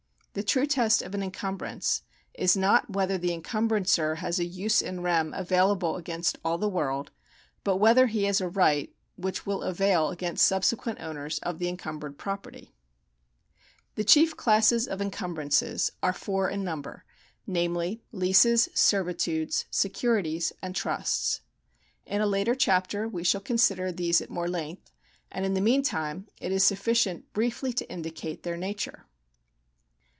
The true test of an encumbrance is not whether the encum brancer has a, jus in rem available against all the world, but whether he has a right which will avail against subsequent owners of the encumbered property. 216 THE KINDS OF LEGAL RIGHTS [§ 83 The chief classes of encumbrances are four in number, namely, Leases, Servitudes, Securities, and Trusts. In a later chapter we shall consider these more at length, and in tlie meantime it is sufficient briefly to indicate their nature.